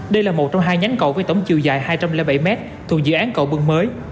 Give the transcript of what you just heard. đây là một trong hai nhánh cầu với tổng chiều dài hai trăm linh bảy m thuộc dự án cầu bừng mới